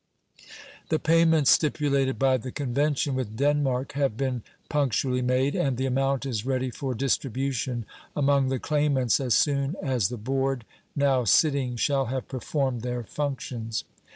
The payments stipulated by the convention with Denmark have been punctually made, and the amount is ready for distribution among the claimants as soon as the board, now sitting, shall have performed their functions.